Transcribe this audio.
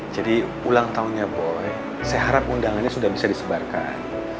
jadi ulang tahunnya bu ayu saya harap undangannya sudah bisa disebarkan